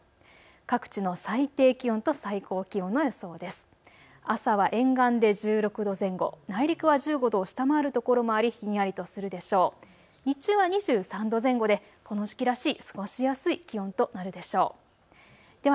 各地の最低気温と最高気温の予想です。